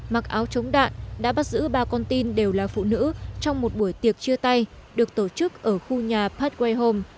mặc áo chống đạn đã bắt giữ ba con tin đều là phụ nữ trong một buổi tiệc chia tay được tổ chức ở khu nhà pathway home